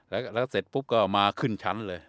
แล้วเสร็จปุ๊บก็มาขึ้นชั้นเลย